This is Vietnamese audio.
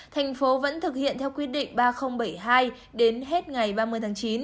thành phố vẫn thực hiện theo quyết định ba nghìn bảy mươi hai đến hết ngày ba mươi tháng chín